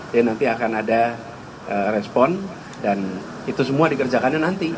jadi nanti akan ada respon dan itu semua dikerjakannya nanti